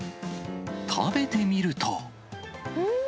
食べてみると。